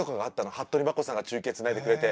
服部真湖さんが中継つないでくれて。